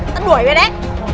tao đuổi về đấy